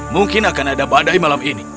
mungkin akan ada badai malam ini